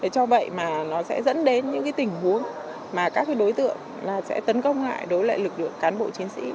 để cho vậy mà nó sẽ dẫn đến những cái tình huống mà các cái đối tượng là sẽ tấn công lại đối lại lực lượng cán bộ chiến sĩ